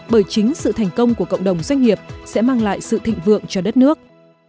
bởi chính sự thành công của cộng đồng doanh nghiệp sẽ mang lại sự thịnh vượng cho đất nước